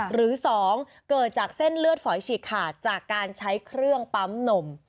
หรือ๒เกิดจากเส้นเลือดฝอยฉีกขาดจากการใช้เครื่องปั๊มนม